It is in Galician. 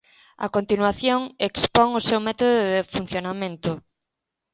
A continuación, expón o seu método de funcionamento.